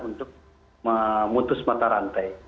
untuk memutus mata rantai